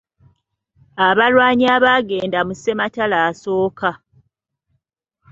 Abalwanyi abaagenda mu ssematalo asooka.